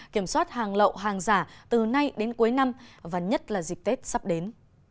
kiểm soát hàng lậu hàng giả từ nay đến cuối năm và nhất là dịp tết sắp đến